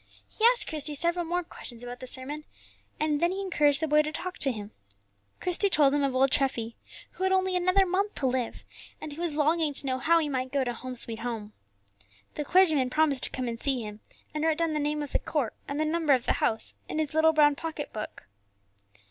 He asked Christie several more questions about the sermon, and then he encouraged the boy to talk to him. Christie told him of old Treffy, who had only another month to live, and who was longing to know how he might go to "Home, sweet Home." The clergyman promised to come and see him, and wrote down the name of the court and the number of the house in his little brown pocket book.